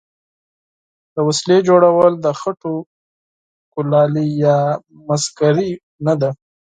د وسلې جوړول د خټو کولالي یا مسګري نه ده.